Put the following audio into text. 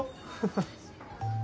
フフ。